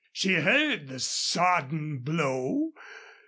She heard the sodden blow.